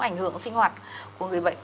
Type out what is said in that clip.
ảnh hưởng sinh hoạt của người bệnh